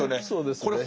そうですね。